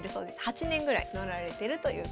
８年ぐらい乗られてるということです。